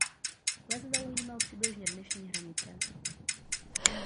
Les zaujímal přibližně dnešní hranice.